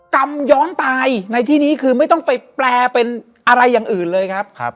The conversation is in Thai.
กรรมย้อนตายในที่นี้คือไม่ต้องไปแปลเป็นอะไรอย่างอื่นเลยครับ